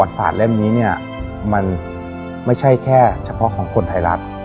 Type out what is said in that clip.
เพื่อที่เราจะได้ทำผลงานชีวิตนี้ออกมา